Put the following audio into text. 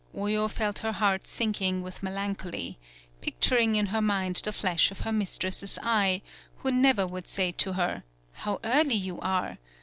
Oyo felt her heart sinking with melancholy, picturing in her mind the flash of her mistress' eye, who never would say to her: "How early you are!"